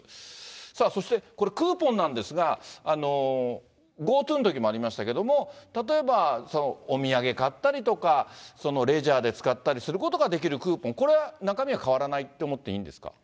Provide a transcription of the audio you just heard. さあ、そしてこれ、クーポンなんですが、ＧｏＴｏのときもありましたけれども、例えば、お土産買ったりとか、レジャーで使ったりすることができるクーポン、これは中身は変わらないと思っていいんですか。